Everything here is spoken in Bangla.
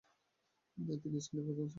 তিনি এই স্কুলের প্রধান শিক্ষক হন।